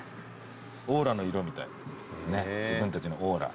オーラの色みたい自分たちのオーラ。